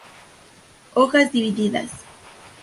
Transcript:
Hojas divididas.